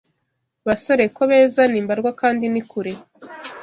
Basore ko beza ni mbarwa kandi ni kure.